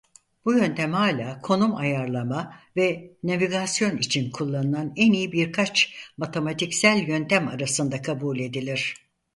Bu yöntem hala konum ayarlama ve navigasyon için kullanılan en iyi birkaç matematiksel yöntem arasında kabul edilir.